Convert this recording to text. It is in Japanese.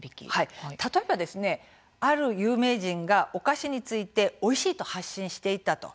例えば、ある有名人がお菓子についておいしいと発信していたと。